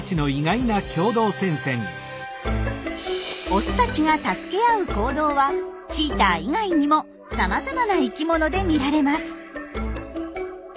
オスたちが助け合う行動はチーター以外にもさまざまな生きもので見られます。